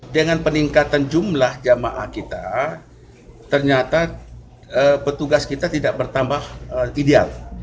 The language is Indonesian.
dengan peningkatan jumlah jamaah kita ternyata petugas kita tidak bertambah ideal